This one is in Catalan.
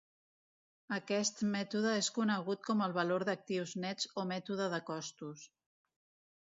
Aquest mètode és conegut com el valor d'actius nets o mètode de costos.